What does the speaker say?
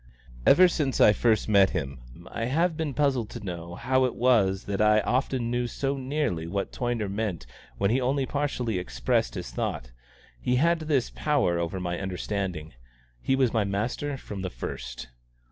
Ever since I first met him I have been puzzled to know how it was that I often knew so nearly what Toyner meant when he only partially expressed his thought; he had this power over my understanding. He was my master from the first.